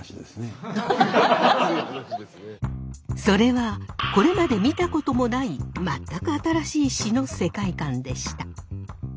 それはこれまで見たこともない全く新しい詞の世界観でした。